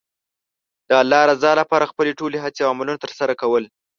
د الله رضا لپاره خپلې ټولې هڅې او عملونه ترسره کول.